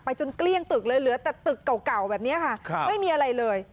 จนเกลี้ยงตึกเลยเหลือแต่ตึกเก่าแบบนี้ค่ะไม่มีอะไรเลย